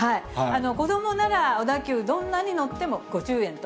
子どもなら小田急どんなに乗っても５０円と。